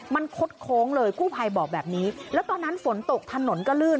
มันคดโค้งเลยกู้ภัยบอกแบบนี้แล้วตอนนั้นฝนตกถนนก็ลื่น